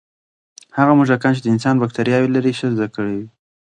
هغه موږکان چې د انسان بکتریاوې لري، ښه زده کړه کوي.